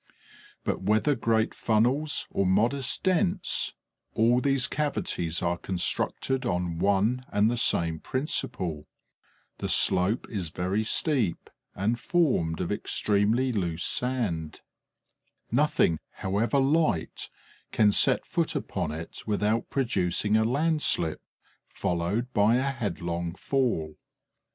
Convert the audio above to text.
But, whether great funnels or modest dents, all these cavities are constructed on one and the same principle: the slope is very steep and formed of extremely loose sand; nothing, however light, can set foot upon it without producing a landslip, followed by a headlong fall.